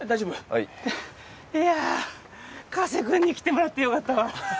はいいやあ加瀬君に来てもらってよかったわ